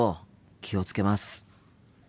気を付けます。